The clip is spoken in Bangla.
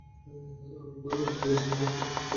আমি বই উল্টে জিজ্ঞেস করলাম, কী রঙের গরু, মা?